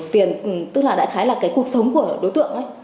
tức là đại khái là cuộc sống của đối tượng